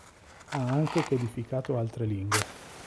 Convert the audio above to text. Ha anche codificato altre lingue.